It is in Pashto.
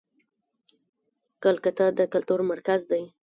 کلکته د کلتور مرکز دی.